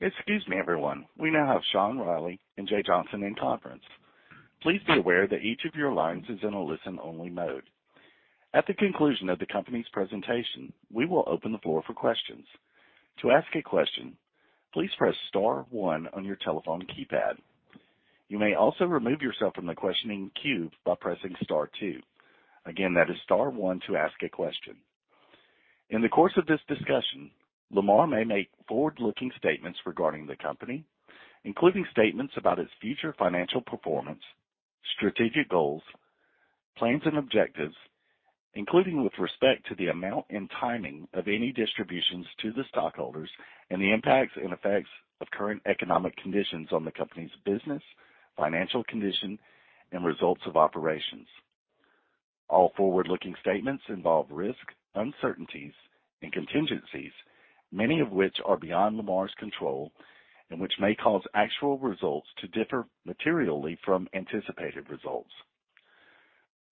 Excuse me, everyone. We now have Sean Reilly and Jay Johnson in conference. Please be aware that each of your lines is in a listen-only mode. At the conclusion of the company's presentation, we will open the floor for questions. To ask a question, please press star one on your telephone keypad. You may also remove yourself from the questioning queue by pressing star two. Again, that is star one to ask a question. In the course of this discussion, Lamar may make forward-looking statements regarding the company, including statements about its future financial performance, strategic goals, plans and objectives, including with respect to the amount and timing of any distributions to the stockholders and the impacts and effects of current economic conditions on the company's business, financial condition, and results of operations. All forward-looking statements involve risk, uncertainties, and contingencies, many of which are beyond Lamar's control and which may cause actual results to differ materially from anticipated results.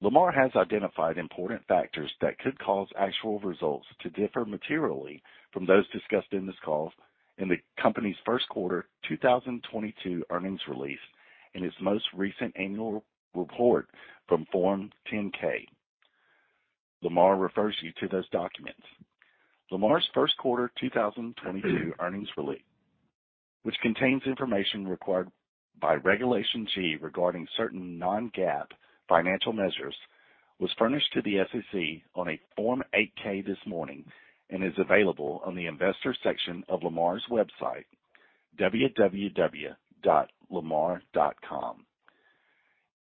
Lamar has identified important factors that could cause actual results to differ materially from those discussed in this call in the company's first quarter 2022 earnings release and its most recent annual report from Form 10-K. Lamar refers you to those documents. Lamar's first quarter 2022 earnings release, which contains information required by Regulation G regarding certain non-GAAP financial measures, was furnished to the SEC on a Form 8-K this morning and is available on the investor section of Lamar's website, www.lamar.com.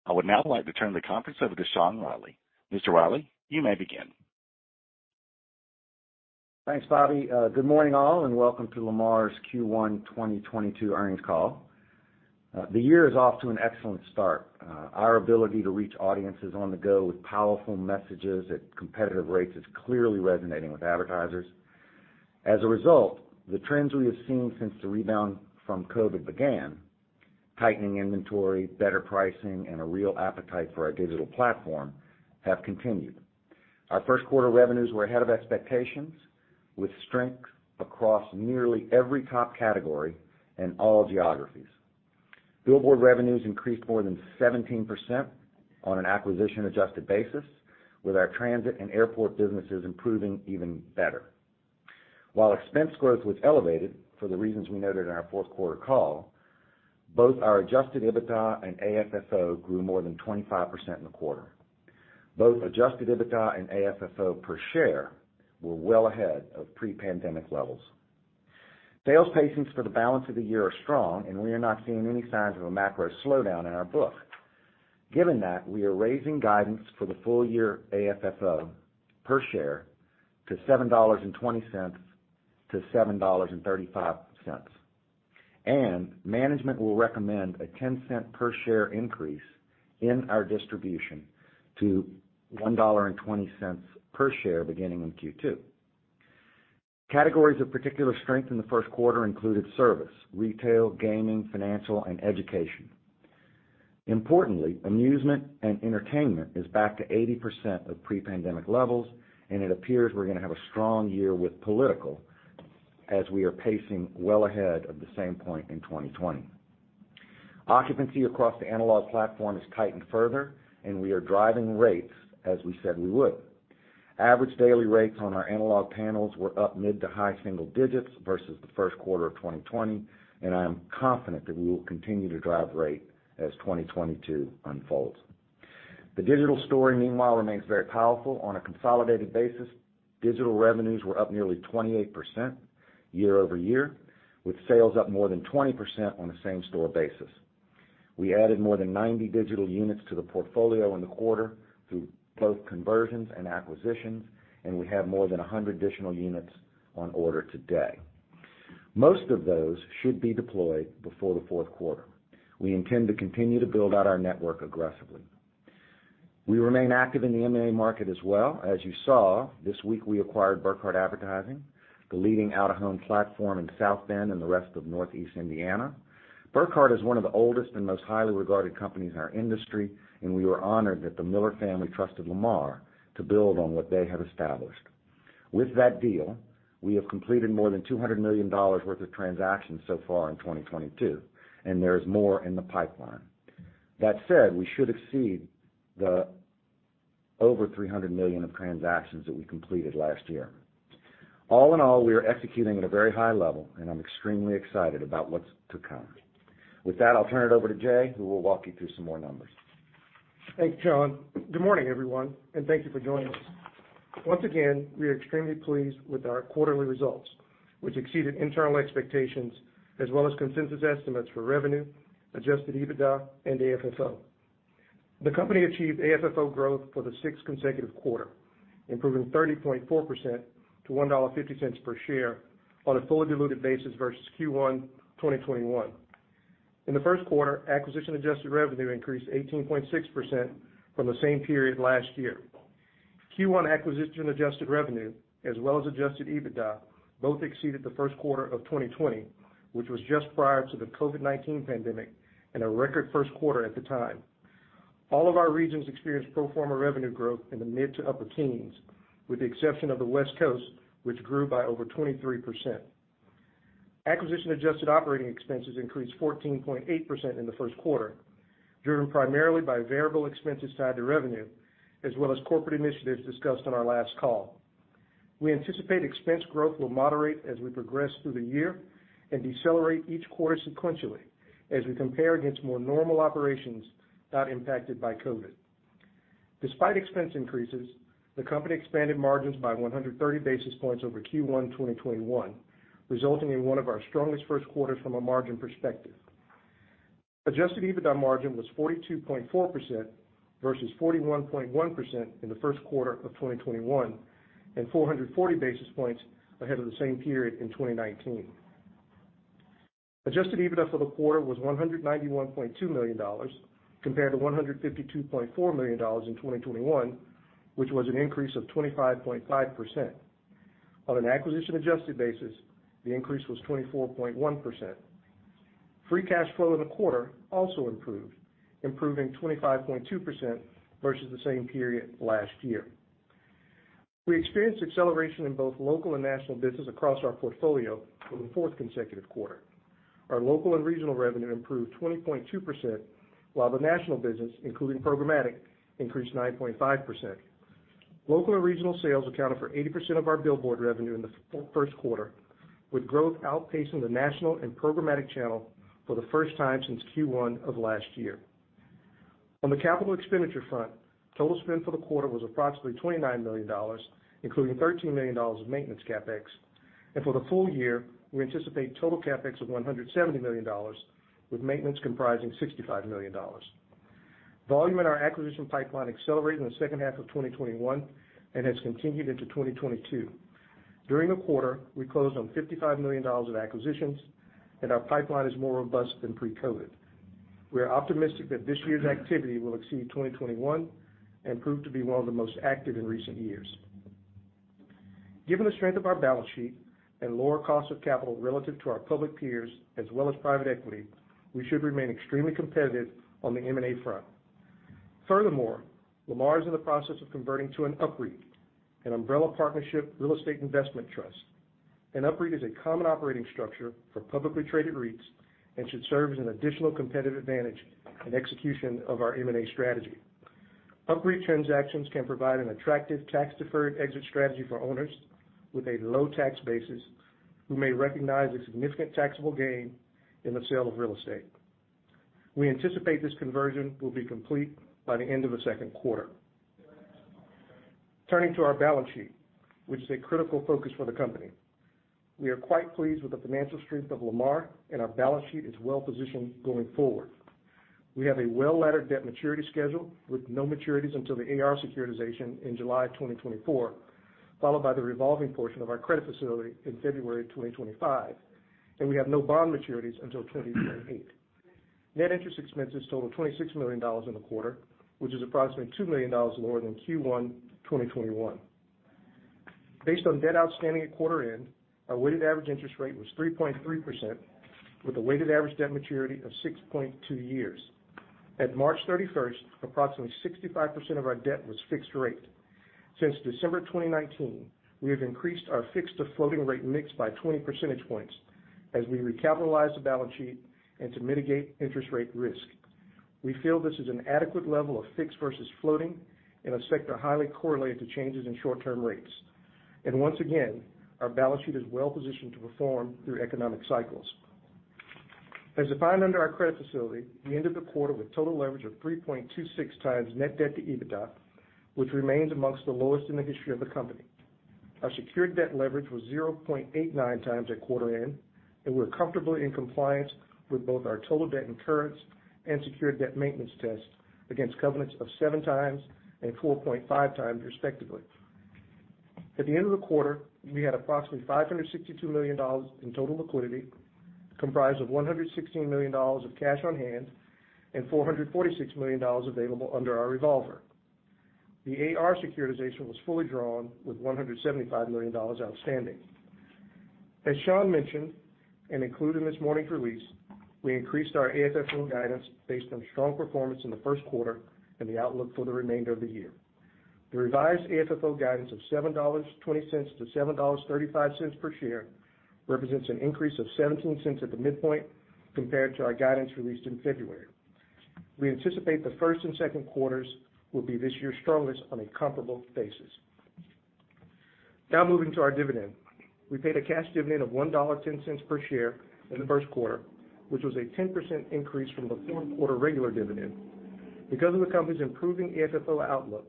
I would now like to turn the conference over to Sean Reilly. Mr. Reilly, you may begin. Thanks, Bobby. Good morning, all, and welcome to Lamar's Q1 2022 earnings call. The year is off to an excellent start. Our ability to reach audiences on the go with powerful messages at competitive rates is clearly resonating with advertisers. As a result, the trends we have seen since the rebound from COVID began, tightening inventory, better pricing, and a real appetite for our digital platform, have continued. Our first quarter revenues were ahead of expectations with strength across nearly every top category and all geographies. Billboard revenues increased more than 17% on an acquisition adjusted basis, with our transit and airport businesses improving even better. While expense growth was elevated for the reasons we noted in our fourth quarter call, both our adjusted EBITDA and AFFO grew more than 25% in the quarter. Both adjusted EBITDA and AFFO per share were well ahead of pre-pandemic levels. Sales pacings for the balance of the year are strong, and we are not seeing any signs of a macro slowdown in our book. Given that, we are raising guidance for the full year AFFO per share to $7.20-$7.35. Management will recommend a 10-cent per share increase in our distribution to $1.20 per share beginning in Q2. Categories of particular strength in the first quarter included service, retail, gaming, financial, and education. Importantly, amusement and entertainment is back to 80% of pre-pandemic levels, and it appears we're gonna have a strong year with political as we are pacing well ahead of the same point in 2020. Occupancy across the analog platform has tightened further, and we are driving rates as we said we would. Average daily rates on our analog panels were up mid- to high-single digits versus the first quarter of 2020, and I am confident that we will continue to drive rate as 2022 unfolds. The digital story, meanwhile, remains very powerful. On a consolidated basis, digital revenues were up nearly 28% year-over-year, with sales up more than 20% on a same store basis. We added more than 90 digital units to the portfolio in the quarter through both conversions and acquisitions, and we have more than 100 additional units on order today. Most of those should be deployed before the fourth quarter. We intend to continue to build out our network aggressively. We remain active in the M&A market as well. As you saw, this week we acquired Burkhart Advertising, the leading out-of-home platform in South Bend and the rest of Northeast Indiana. Burkhart is one of the oldest and most highly regarded companies in our industry, and we are honored that the Miller family trusted Lamar to build on what they have established. With that deal, we have completed more than $200 million worth of transactions so far in 2022, and there is more in the pipeline. That said, we should exceed the over $300 million of transactions that we completed last year. All in all, we are executing at a very high level, and I'm extremely excited about what's to come. With that, I'll turn it over to Jay, who will walk you through some more numbers. Thanks, Sean. Good morning, everyone, and thank you for joining us. Once again, we are extremely pleased with our quarterly results, which exceeded internal expectations as well as consensus estimates for revenue, adjusted EBITDA and AFFO. The company achieved AFFO growth for the sixth consecutive quarter, improving 30.4% to $1.50 per share on a fully diluted basis versus Q1 2021. In the first quarter, acquisition-adjusted revenue increased 18.6% from the same period last year. Q1 acquisition-adjusted revenue, as well as adjusted EBITDA, both exceeded the first quarter of 2020, which was just prior to the COVID-19 pandemic and a record first quarter at the time. All of our regions experienced pro forma revenue growth in the mid to upper teens, with the exception of the West Coast, which grew by over 23%. Acquisition adjusted operating expenses increased 14.8% in the first quarter, driven primarily by variable expenses tied to revenue, as well as corporate initiatives discussed on our last call. We anticipate expense growth will moderate as we progress through the year and decelerate each quarter sequentially as we compare against more normal operations not impacted by COVID. Despite expense increases, the company expanded margins by 130 basis points over Q1 2021, resulting in one of our strongest first quarters from a margin perspective. Adjusted EBITDA margin was 42.4% versus 41.1% in the first quarter of 2021, and 440 basis points ahead of the same period in 2019. Adjusted EBITDA for the quarter was $191.2 million compared to $152.4 million in 2021, which was an increase of 25.5%. On an acquisition-adjusted basis, the increase was 24.1%. Free cash flow in the quarter also improved, improving 25.2% versus the same period last year. We experienced acceleration in both local and national business across our portfolio for the fourth consecutive quarter. Our local and regional revenue improved 20.2%, while the national business, including programmatic, increased 9.5%. Local and regional sales accounted for 80% of our billboard revenue in the first quarter, with growth outpacing the national and programmatic channel for the first time since Q1 of last year. On the capital expenditure front, total spend for the quarter was approximately $29 million, including $13 million of maintenance CapEx. For the full year, we anticipate total CapEx of $170 million, with maintenance comprising $65 million. Volume in our acquisition pipeline accelerated in the second half of 2021 and has continued into 2022. During the quarter, we closed on $55 million of acquisitions, and our pipeline is more robust than pre-COVID. We are optimistic that this year's activity will exceed 2021 and prove to be one of the most active in recent years. Given the strength of our balance sheet and lower cost of capital relative to our public peers as well as private equity, we should remain extremely competitive on the M&A front. Furthermore, Lamar is in the process of converting to an UPREIT, an umbrella partnership real estate investment trust. An UPREIT is a common operating structure for publicly traded REITs and should serve as an additional competitive advantage in execution of our M&A strategy. UPREIT transactions can provide an attractive tax-deferred exit strategy for owners with a low tax basis who may recognize a significant taxable gain in the sale of real estate. We anticipate this conversion will be complete by the end of the second quarter. Turning to our balance sheet, which is a critical focus for the company. We are quite pleased with the financial strength of Lamar, and our balance sheet is well-positioned going forward. We have a well-laddered debt maturity schedule with no maturities until the AR securitization in July 2024, followed by the revolving portion of our credit facility in February 2025, and we have no bond maturities until 2028. Net interest expenses totaled $26 million in the quarter, which is approximately $2 million more than Q1 2021. Based on debt outstanding at quarter end, our weighted average interest rate was 3.3%, with a weighted average debt maturity of 6.2 years. At March 31st, approximately 65% of our debt was fixed rate. Since December 2019, we have increased our fixed to floating rate mix by 20 percentage points as we recapitalized the balance sheet and to mitigate interest rate risk. We feel this is an adequate level of fixed versus floating in a sector highly correlated to changes in short-term rates. Once again, our balance sheet is well positioned to perform through economic cycles. As defined under our credit facility, we ended the quarter with total leverage of 3.26 times net debt to EBITDA, which remains among the lowest in the history of the company. Our secured debt leverage was 0.89 times at quarter end, and we're comfortably in compliance with both our total debt incurrence and secured debt maintenance test against covenants of 7 times and 4.5 times, respectively. At the end of the quarter, we had approximately $562 million in total liquidity, comprised of $116 million of cash on hand and $446 million available under our revolver. The AR securitization was fully drawn with $175 million outstanding. As Sean mentioned, and included in this morning's release, we increased our AFFO guidance based on strong performance in the first quarter and the outlook for the remainder of the year. The revised AFFO guidance of $7.20-$7.35 per share represents an increase of $0.17 at the midpoint compared to our guidance released in February. We anticipate the first and second quarters will be this year's strongest on a comparable basis. Now moving to our dividend. We paid a cash dividend of $1.10 per share in the first quarter, which was a 10% increase from the fourth quarter regular dividend. Because of the company's improving AFFO outlook,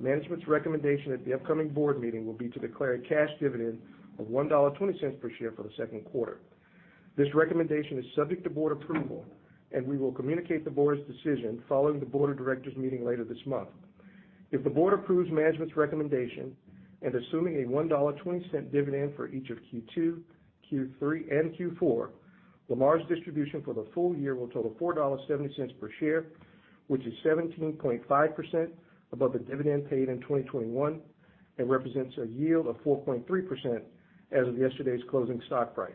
management's recommendation at the upcoming board meeting will be to declare a cash dividend of $1.20 per share for the second quarter. This recommendation is subject to board approval, and we will communicate the board's decision following the board of directors meeting later this month. If the board approves management's recommendation, and assuming a $1.20 dividend for each of Q2, Q3, and Q4, Lamar's distribution for the full year will total $4.70 per share, which is 17.5 above the dividend paid in 2021, and represents a yield of 4.3% as of yesterday's closing stock price.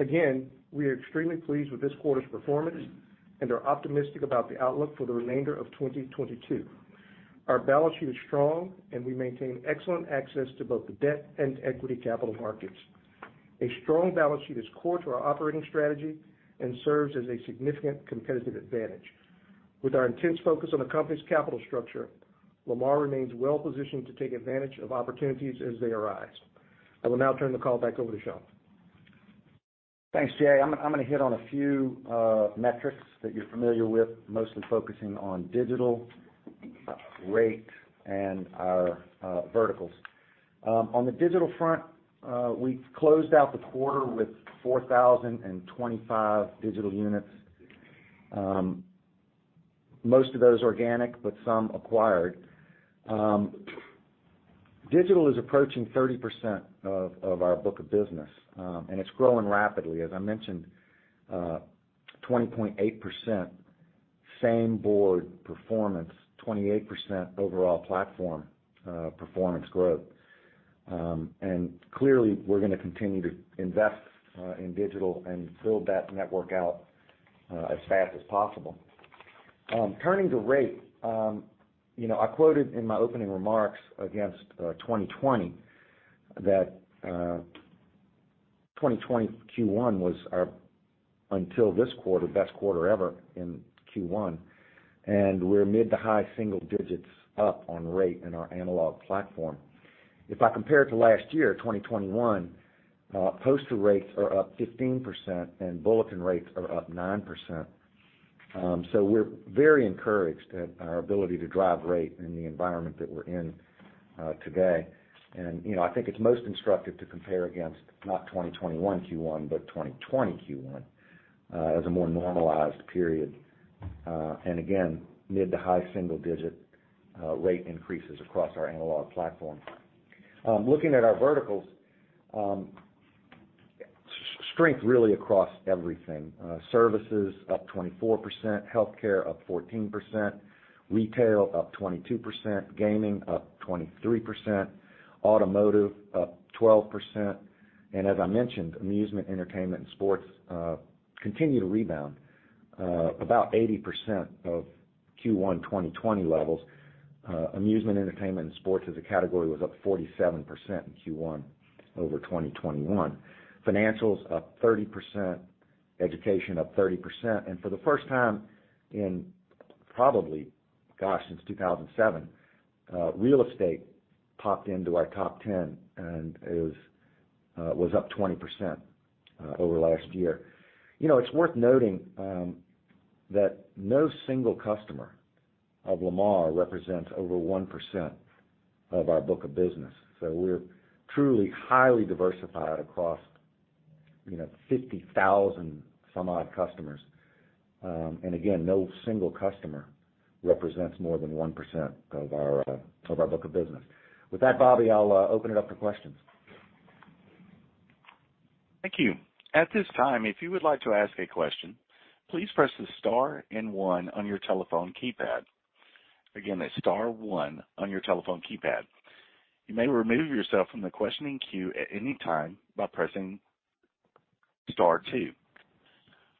Again, we are extremely pleased with this quarter's performance and are optimistic about the outlook for the remainder of 2022. Our balance sheet is strong, and we maintain excellent access to both the debt and equity capital markets. A strong balance sheet is core to our operating strategy and serves as a significant competitive advantage. With our intense focus on the company's capital structure, Lamar remains well positioned to take advantage of opportunities as they arise. I will now turn the call back over to Sean. Thanks, Jay. I'm gonna hit on a few metrics that you're familiar with, mostly focusing on digital, rate, and our verticals. On the digital front, we closed out the quarter with 4,025 digital units. Most of those organic, but some acquired. Digital is approaching 30% of our book of business, and it's growing rapidly. As I mentioned, 20.8% same board performance, 28% overall platform performance growth. And clearly, we're gonna continue to invest in digital and build that network out as fast as possible. Turning to rate, you know, I quoted in my opening remarks against 2020 that 2020 Q1 was our, until this quarter, best quarter ever in Q1. We're mid to high single digits up on rate in our analog platform. If I compare it to last year, 2021, poster rates are up 15%, and bulletin rates are up 9%. We're very encouraged at our ability to drive rate in the environment that we're in today. You know, I think it's most instructive to compare against not 2021 Q1, but 2020 Q1, as a more normalized period. Again, mid to high single digit rate increases across our analog platform. Looking at our verticals, strength really across everything. Services up 24%, healthcare up 14%, retail up 22%, gaming up 23%, automotive up 12%, and as I mentioned, amusement, entertainment, and sports continue to rebound about 80% of Q1 2020 levels. Amusement, entertainment, and sports as a category was up 47% in Q1 over 2021. Financials up 30%, education up 30%. For the first time in probably, gosh, since 2007, real estate popped into our top ten and was up 20%, over last year. You know, it's worth noting, that no single customer of Lamar represents over 1% of our book of business. So we're truly highly diversified across, you know, 50,000-some-odd customers. And again, no single customer represents more than 1% of our book of business. With that, Bobby, I'll open it up for questions. Thank you. At this time, if you would like to ask a question, please press the star and one on your telephone keypad. Again, that's star one on your telephone keypad. You may remove yourself from the questioning queue at any time by pressing star two.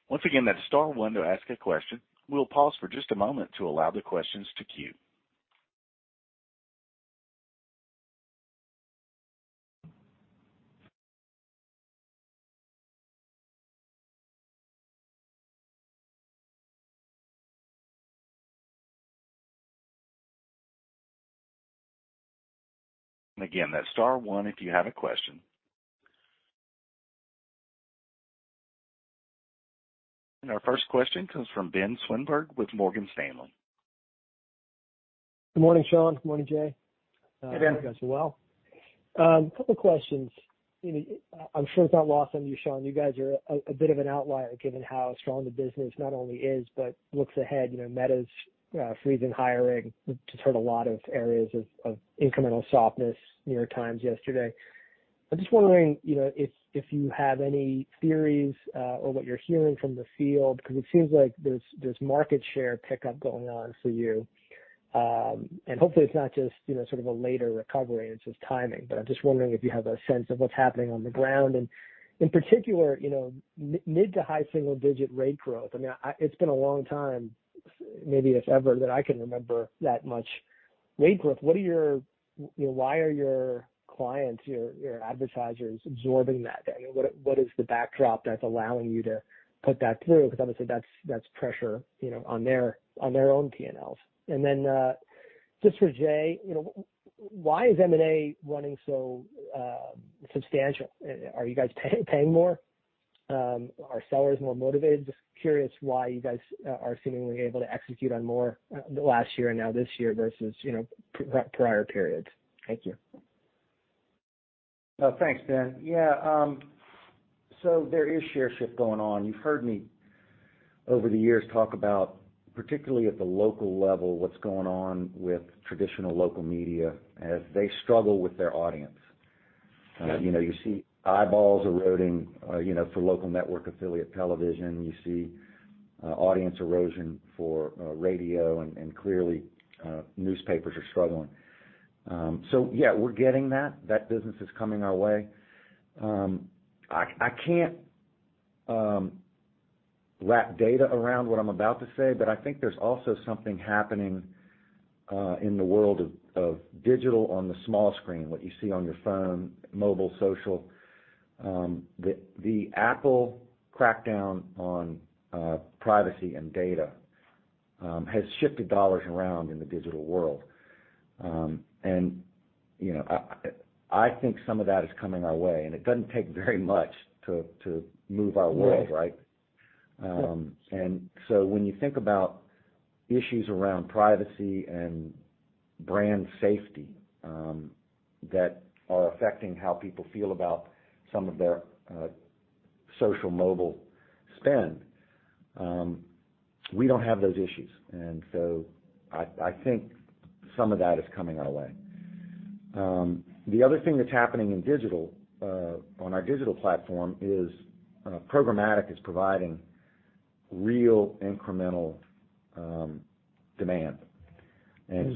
Once again, that's star one to ask a question. We'll pause for just a moment to allow the questions to queue. Again, that's star one if you have a question. Our first question comes from Benjamin Swinburne with Morgan Stanley. Good morning, Sean. Good morning, Jay. Hey, Ben. I hope you guys are well. A couple questions. You know, I'm sure it's not lost on you, Sean, you guys are a bit of an outlier given how strong the business not only is but looks ahead. You know, Meta's freezing hiring. We've just heard a lot of areas of incremental softness in your types yesterday. I'm just wondering, you know, if you have any theories or what you're hearing from the field, because it seems like there's market share pickup going on for you. Hopefully it's not just, you know, sort of a later recovery and it's just timing. I'm just wondering if you have a sense of what's happening on the ground. In particular, you know, mid to high single digit rate growth. I mean, it's been a long time, maybe if ever, that I can remember that much rate growth. You know, why are your clients, your advertisers absorbing that? I mean, what is the backdrop that's allowing you to put that through? Because obviously, that's pressure, you know, on their own P&Ls. Just for Jay, you know, why is M&A running so substantial? Are you guys paying more? Are sellers more motivated? Just curious why you guys are seemingly able to execute on more the last year and now this year versus, you know, prior periods. Thank you. Thanks, Ben. Yeah. There is share shift going on. You've heard me over the years talk about, particularly at the local level, what's going on with traditional local media as they struggle with their audience. Yeah. You know, you see eyeballs eroding, you know, for local network affiliate television. You see, audience erosion for radio and clearly newspapers are struggling. Yeah, we're getting that. That business is coming our way. I can't wrap data around what I'm about to say, but I think there's also something happening in the world of digital on the small screen, what you see on your phone, mobile, social. The Apple crackdown on privacy and data has shifted dollars around in the digital world. You know, I think some of that is coming our way, and it doesn't take very much to move our world, right? Yeah. When you think about issues around privacy and brand safety, that are affecting how people feel about some of their social mobile spend, we don't have those issues. I think some of that is coming our way. The other thing that's happening in digital on our digital platform is programmatic is providing real incremental demand. Mm-hmm.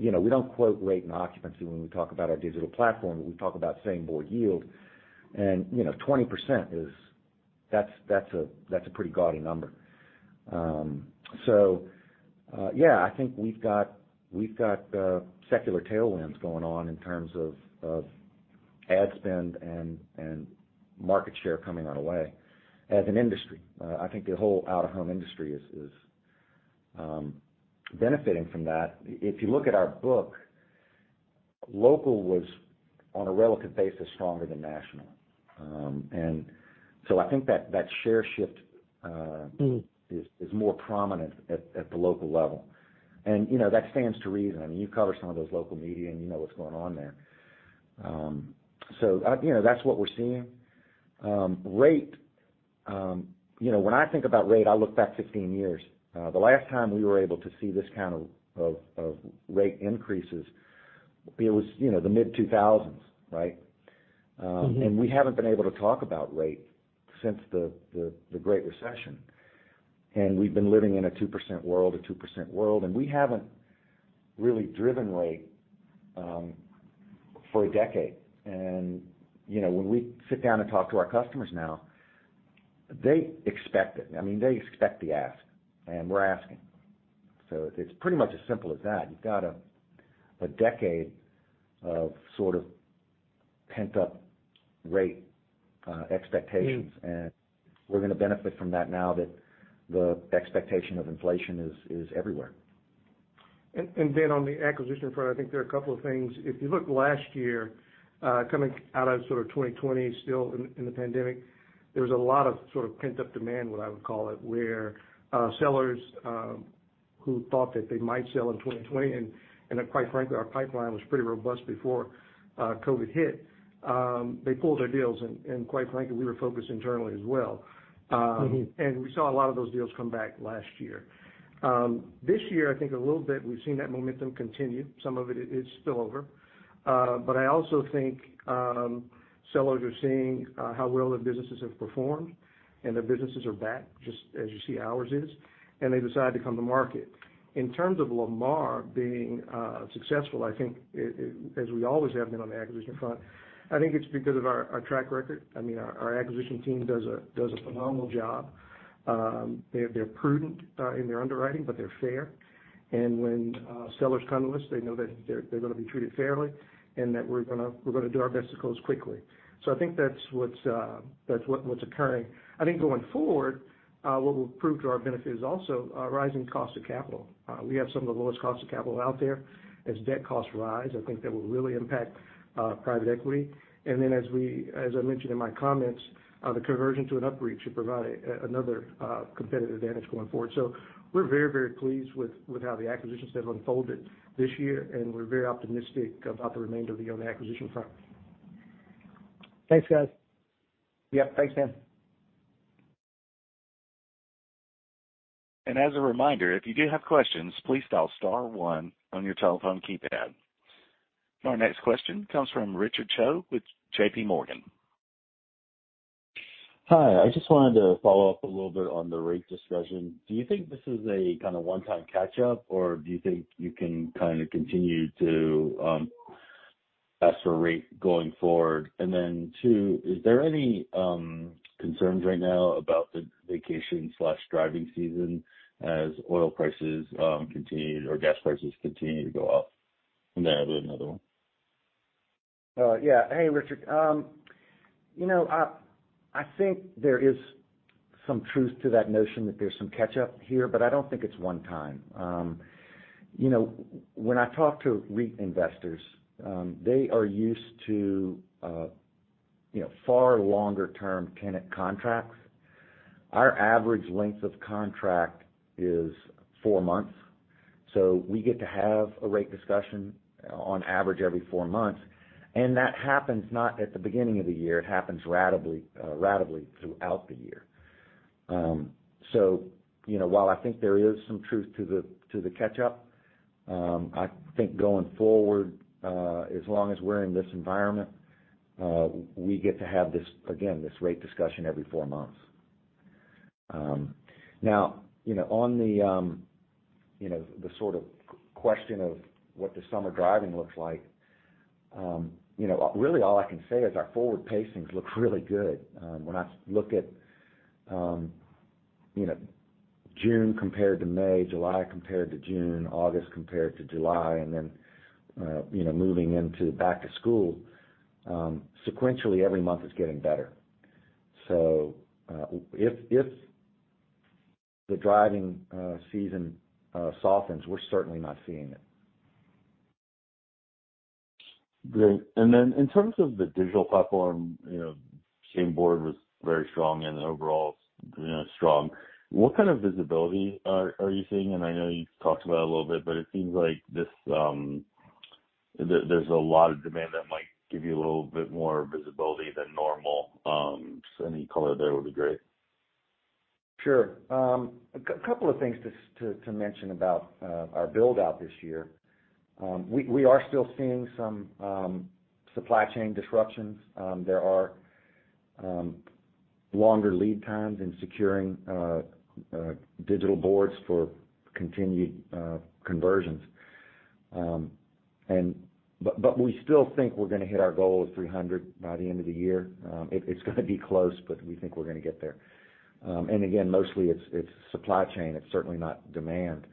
You know, we don't quote rate and occupancy when we talk about our digital platform. We talk about same-board yield and, you know, 20% is. That's a pretty gaudy number. I think we've got secular tailwinds going on in terms of ad spend and market share coming our way as an industry. I think the whole out-of-home industry is benefiting from that. If you look at our book, local was on a relative basis stronger than national. I think that share shift. Mm-hmm is more prominent at the local level. You know, that stands to reason. I mean, you cover some of those local media, and you know what's going on there. You know, that's what we're seeing. You know, when I think about rate, I look back 15 years. The last time we were able to see this kind of rate increases, it was, you know, the mid-2000s, right? Mm-hmm. We haven't been able to talk about rate since the Great Recession. We've been living in a 2% world, and we haven't really driven rate for a decade. You know, when we sit down and talk to our customers now, they expect it. I mean, they expect the ask, and we're asking. It's pretty much as simple as that. You've got a decade of sort of pent-up rate expectations. Mm-hmm. We're gonna benefit from that now that the expectation of inflation is everywhere. Jay Johnson, on the acquisition front, I think there are a couple of things. If you look last year, coming out of sort of 2020 still in the pandemic, there was a lot of sort of pent-up demand, what I would call it, where sellers who thought that they might sell in 2020, and quite frankly, our pipeline was pretty robust before COVID hit, they pulled their deals and quite frankly, we were focused internally as well. Mm-hmm. We saw a lot of those deals come back last year. This year, I think a little bit we've seen that momentum continue. Some of it is spillover. I also think sellers are seeing how well their businesses have performed and their businesses are back, just as you see ours is, and they decide to come to market. In terms of Lamar being successful, I think it as we always have been on the acquisition front. I think it's because of our track record. I mean, our acquisition team does a phenomenal job. They're prudent in their underwriting, but they're fair. When sellers come to us, they know that they're gonna be treated fairly and that we're gonna do our best to close quickly. I think that's what's occurring. I think going forward, what will prove to our benefit is also our rising cost of capital. We have some of the lowest cost of capital out there. As debt costs rise, I think that will really impact private equity. As I mentioned in my comments, the conversion to an UPREIT should provide another competitive advantage going forward. We're very, very pleased with how the acquisitions have unfolded this year, and we're very optimistic about the remainder of the year on the acquisition front. Thanks, guys. Yep. Thanks, Jay Johnson. As a reminder, if you do have questions, please dial star one on your telephone keypad. Our next question comes from Richard Choe with JPMorgan. Hi. I just wanted to follow up a little bit on the rate discussion. Do you think this is a kinda one-time catch-up, or do you think you can kinda continue to ask for rate going forward? Then two, is there any concerns right now about the vacation/driving season as oil prices continue or gas prices continue to go up? Then I have another one. Yeah. Hey, Richard. You know, I think there is some truth to that notion that there's some catch-up here, but I don't think it's one time. You know, when I talk to REIT investors, they are used to, you know, far longer term tenant contracts. Our average length of contract is four months, so we get to have a rate discussion on average every four months. That happens not at the beginning of the year, it happens ratably throughout the year. You know, while I think there is some truth to the catch-up, I think going forward, as long as we're in this environment, we get to have this, again, this rate discussion every four months. Now, you know, on the, you know, the sort of question of what the summer driving looks like, you know, really all I can say is our forward pacings look really good. When I look at, you know, June compared to May, July compared to June, August compared to July, and then, you know, moving into back to school, sequentially every month is getting better. If the driving season softens, we're certainly not seeing it. Great. Then in terms of the digital platform, you know, same board was very strong and overall, you know, strong. What kind of visibility are you seeing? I know you've talked about it a little bit, but it seems like there's a lot of demand that might give you a little bit more visibility than normal. Any color there would be great. Sure. A couple of things just to mention about our build-out this year. We are still seeing some supply chain disruptions. There are longer lead times in securing digital boards for continued conversions. We still think we're gonna hit our goal of 300 by the end of the year. It's gonna be close, but we think we're gonna get there. Again, mostly it's supply chain. It's certainly not demand.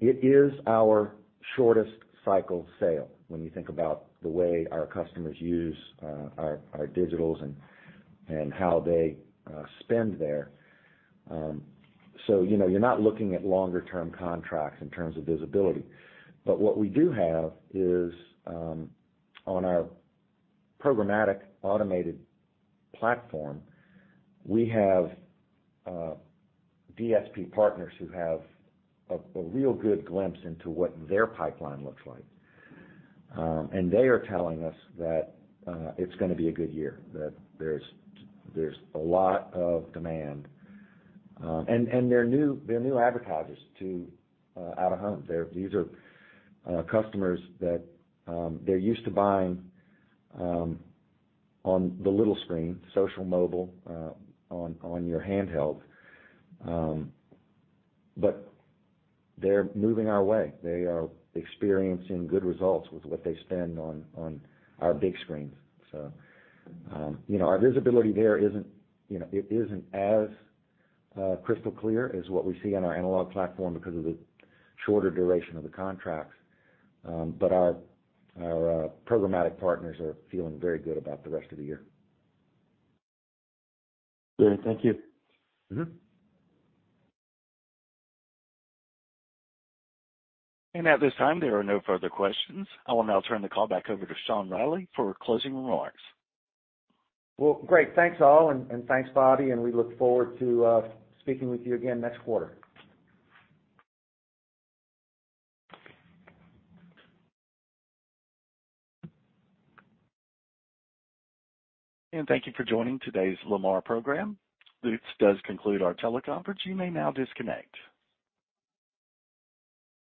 It is our shortest sales cycle when you think about the way our customers use our digitals and how they spend there. You know, you're not looking at longer term contracts in terms of visibility. What we do have is, on our programmatic automated platform, we have DSP partners who have a real good glimpse into what their pipeline looks like. They are telling us that, it's gonna be a good year, that there's a lot of demand. They're new advertisers to out-of-home. These are customers that, they're used to buying on the little screen, social, mobile, on your handheld. But they're moving our way. They are experiencing good results with what they spend on our big screens. You know, our visibility there isn't, you know, it isn't as crystal clear as what we see on our analog platform because of the shorter duration of the contracts. Our programmatic partners are feeling very good about the rest of the year. Great. Thank you. Mm-hmm. At this time, there are no further questions. I will now turn the call back over to Sean Reilly for closing remarks. Well, great. Thanks, all, and thanks, Bobby, and we look forward to speaking with you again next quarter. Thank you for joining today's Lamar program. This does conclude our teleconference. You may now disconnect.